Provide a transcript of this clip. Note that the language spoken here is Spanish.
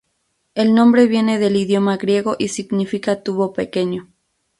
El nombre viene del idioma griego y significa tubo pequeño.